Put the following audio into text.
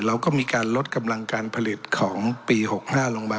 เราก็มีการลดกำลังการผลิตของปี๖๕ลงมา